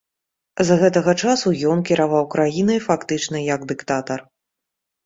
З гэтага часу ён кіраваў краінай фактычна як дыктатар.